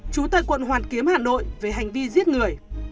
trú tại quận hoàn kiếm hà nội